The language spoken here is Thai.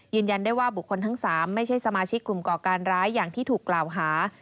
ยืนยันได้ว่าบุคคลทั้ง๓ไม่ใช่สมาชิกกลุ่มก่อการร้ายอย่างที่ถูกกล่าวหา